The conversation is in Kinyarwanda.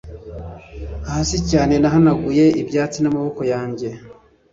Hasi cyane nahanaguye ibyatsi namaboko yanjye